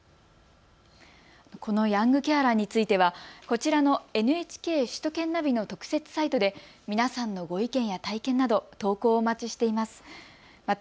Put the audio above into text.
このヤングケアラーについてはこちらのＮＨＫ首都圏ナビの特設サイトで皆さんのご意見や体験など、投稿をお待ちしています。